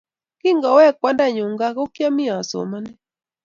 Kingowek kwandanyu gaa ko kiomi asomani